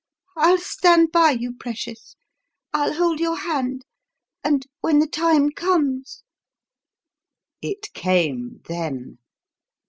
I'll stand by you, precious; I'll hold your hand; and, when the time comes " It came then!